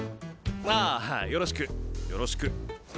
ああよろしくよろしく。